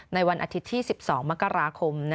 ในวันอาทิตย์ที่๑๒มกราคม